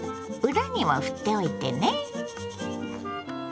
裏にもふっておいてね。